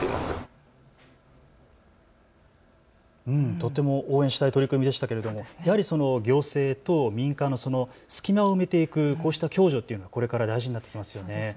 とっても応援したい取り組みでしたけれども、やはり行政と民間の隙間を埋めていく、こうした共助というのはこれから大事になってきますよね。